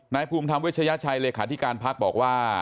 ภูมิธรรมเวชยชัยเลขาธิการพักบอกว่า